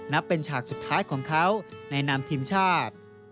นับเป็นฉากสุดท้ายของเขาในนามทีมชาติ